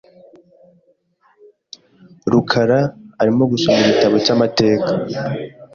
rukara arimo gusoma igitabo cyamateka .